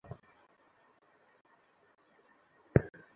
ওষুধ ছিটিয়েও কোনো কাজ হচ্ছে না, বরং ক্রমেই সংক্রমণের হার বাড়ছে।